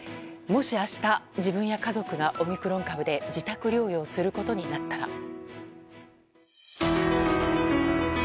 もし明日、自分や家族がオミクロン株で自宅療養することになったら。